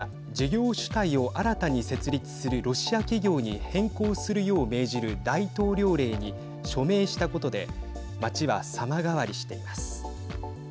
さらにプーチン大統領が事業主体を新たに設立するロシア企業に変更するよう命じる大統領令に署名したことで街は様変わりしています。